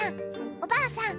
おばあさん